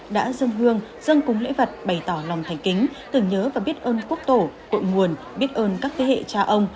đã dâng hương dâng cúng lễ vật bày tỏ lòng thành kính tưởng nhớ và biết ơn quốc tổ cội nguồn biết ơn các thế hệ cha ông